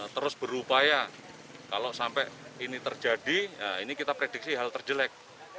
terus berupaya kalau sampai ini terjadi ini kita prediksi hal terjelek